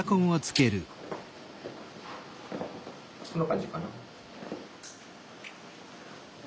こんな感じかな。